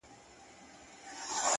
دا بېچاره به ښـايــي مــړ وي.!